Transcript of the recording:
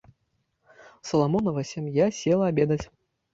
Саламонава сям'я села абедаць.